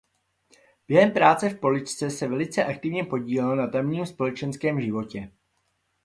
Během práce v Poličce se velice aktivně podílel na tamním společenském životě.